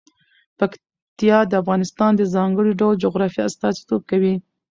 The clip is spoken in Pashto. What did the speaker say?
پکتیا د افغانستان د ځانګړي ډول جغرافیه استازیتوب کوي.